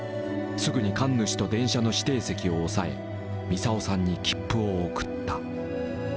すぐに神主と電車の指定席を押さえみさをさんに切符を送った。